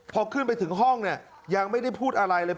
พอขึ้นไปถึงห้องเนี่ยยังไม่ได้พูดอะไรเลย